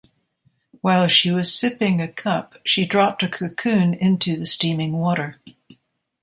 While she was sipping a cup, she dropped a cocoon into the steaming water.